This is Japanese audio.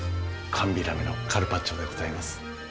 寒ビラメのカルパッチョでございます。